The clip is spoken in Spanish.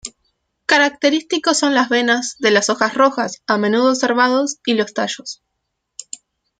Característico son las venas de las hojas rojas a menudo observados y los tallos.